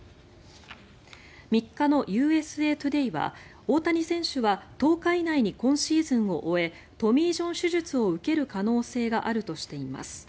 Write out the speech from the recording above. ３日のＵＳＡトゥデーは大谷選手は１０日以内に今シーズンを終えトミー・ジョン手術を受ける可能性があるとしています。